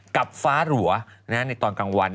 กับฟ้าหรัวในตอนกลางวัน